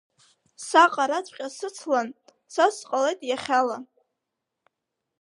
Саҟараҵәҟьа сыцлан, са сҟалеит иахьала.